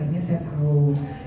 dan akhirnya saya